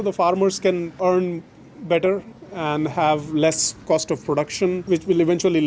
jadi para peneliti bisa menjaga lebih baik dan memiliki harga produksi yang lebih murah